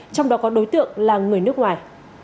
trong đó có đối tượng là người nước ngoài